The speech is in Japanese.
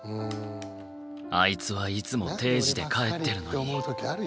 あいつはいつも定時で帰ってるのに。